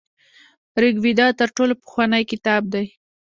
ریګویډا تر ټولو پخوانی کتاب دی.